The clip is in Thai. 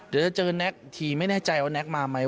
เดี๋ยวจะเจอแน็กทีไม่แน่ใจว่าแก๊กมาไหม